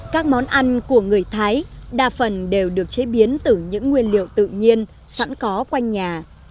các món ăn của người thái đa phần đều được chế biến từ những nguyên liệu tự nhiên sẵn có quanh nhà